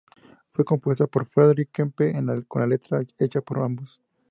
Fue compuesta por Fredrik Kempe, con la letra hecha por ambos.